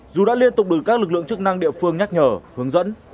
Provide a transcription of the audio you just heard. dù đã liên tục được các lực lượng chức năng địa phương nhắc nhở hướng dẫn